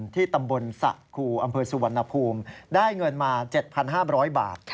ที่ตำบลสะครูอำเภอสุวรรณภูมิได้เงินมา๗๕๐๐บาท